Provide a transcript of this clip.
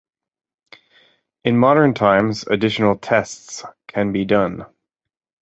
In modern times, additional tests can be done.